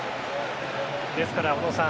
ですから小野さん